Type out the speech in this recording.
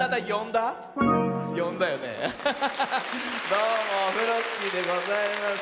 どうもオフロスキーでございます。